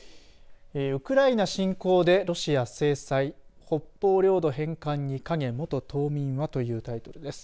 ウクライナ侵攻でロシア制裁北方領土返還に影元島民はというタイトルです。